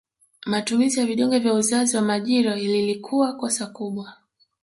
Matumizi ya vidonge vya uzazi wa majira lilikuwa kosa kubwa